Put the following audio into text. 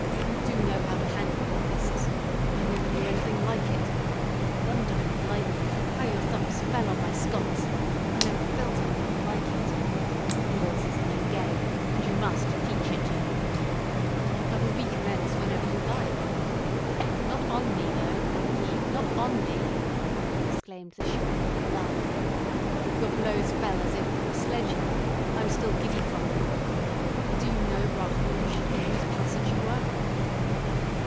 You do know how to handle your fists; I never knew anything like it. Thunder and lightning! how your thumps fell on my sconce, I never felt anything like it. Yours is a new game, and you must teach it to me." "I will recommence whenever you like." "Not on me, though, thank ye, not on me," exclaimed the Chourineur, laughing; "your blows fell as if from a sledge hammer; I am still giddy from them. But do you know Bras Rouge, in whose passage you were?"